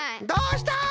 どうした！